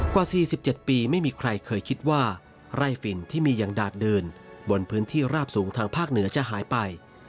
กว่า๔๗ปีไม่มีใครเคยคิดว่าไร่ฝินที่มีอย่างดาดเดินบนพื้นที่ราบสูงทางภาคเหนือจะหายไป